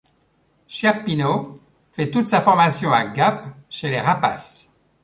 Chiappino fait toute sa formation à Gap chez les Rapaces.